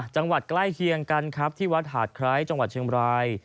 ใกล้เคียงกันครับที่วัดหาดไคร้จังหวัดเชียงบราย